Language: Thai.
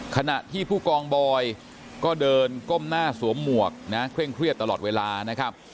ขณะที่ผู้กองบอยก็เดินก้มหน้าสวมหมวกนะเคร่งเครียดตลอดเวลานะครับ